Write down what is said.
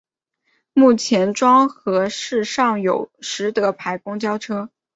目前庄河市尚有实德牌公交车。